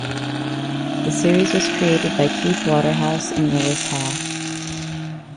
The series was created by Keith Waterhouse and Willis Hall.